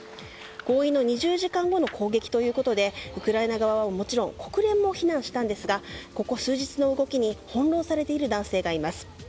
合意の２０時間後の攻撃ということでウクライナ側はもちろん国連も非難したんですがここ数日の動きに翻弄されている男性がいます。